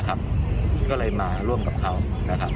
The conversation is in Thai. ก็เลยมาร่วมกับเขานะครับ